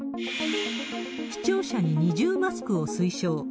視聴者に二重マスクを推奨。